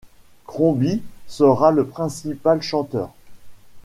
Cromby sera le principal chanteur.